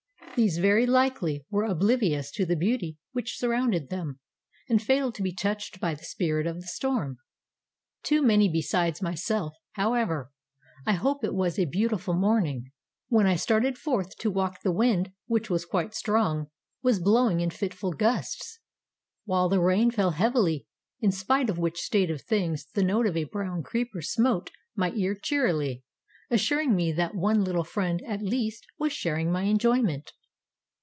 These very likely were oblivious to the beauty which surrounded them and failed to be touched by the spirit of the storm. To many besides myself, however, I hope it was a "beautiful morning." When I started forth to walk the wind, which was quite strong, was blowing in fitful gusts, while the rain fell heavily, in spite of which state of things the note of a brown creeper smote my ear cheerily, assuring me that one little friend, at least, was sharing my enjoyment.